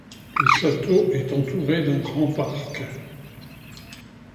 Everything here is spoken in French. Le château est entouré d'un grand parc.